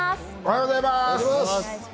おはようございます！